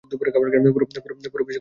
পুরো বিশ্বকে এনে দেবে।